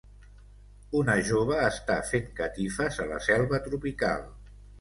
Una jove està fent catifes a la selva tropical